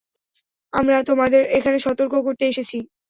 আমরা তোমাদের এখানে সর্তক করতে এসেছি।